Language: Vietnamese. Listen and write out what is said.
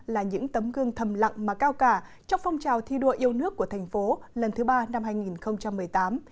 là những tấm gương thầm lặng mà cao cả trong phong trào thi đua yêu nước của thành phố lần thứ ba năm hai nghìn một mươi tám